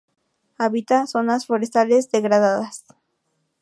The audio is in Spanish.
Habita zonas forestales degradadas.